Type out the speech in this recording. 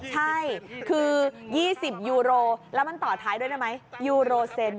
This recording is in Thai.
ใช่คือ๒๐ยูโรแล้วมันต่อท้ายด้วยได้ไหมยูโรเซน